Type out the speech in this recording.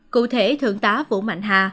cụ thể thượng tá vũ mạnh hà